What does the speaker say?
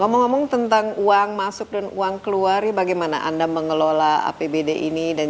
ngomong ngomong tentang uang masuk dan uang keluar bagaimana anda mengelola apbd ini dan